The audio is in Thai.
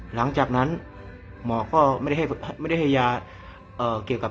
หลังจากนั้นหมอก็ไม่ได้ให้ยา